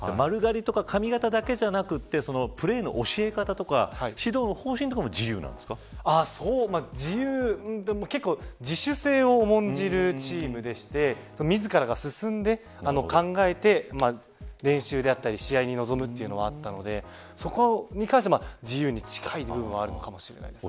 丸刈りとか髪形だけじゃなくてプレーの教え方とか結構、自主性を重んじるチームでして自らが進んで考えて、練習であったり試合に臨むというのはあったのでそこに関して自由に近い部分はあるかもしれないですね。